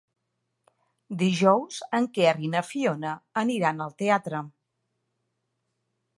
Dijous en Quer i na Fiona aniran al teatre.